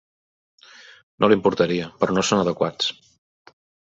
No li importaria; però no són adequats.